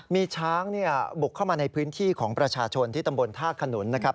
มีช้างบุกเข้ามาในพื้นที่ของประชาชนที่ตำบลท่าขนุนนะครับ